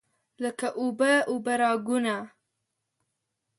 لکه اوبه، اوبه راګونه